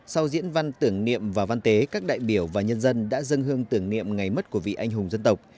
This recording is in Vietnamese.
sau diễn văn tưởng niệm và văn tế các đại biểu và nhân dân đã dâng hương tưởng niệm ngày mất của vị anh hùng dân tộc